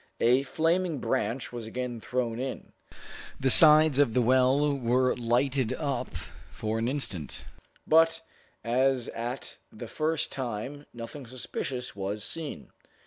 A flaming branch was again thrown in. The sides of the well were lighted up for an instant, but as at the first time, nothing suspicious was seen.